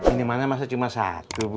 ini mana masa cuma satu bu